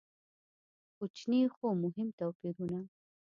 کوچني خو مهم توپیرونه.